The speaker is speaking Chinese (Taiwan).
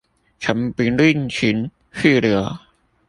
曾不吝情去留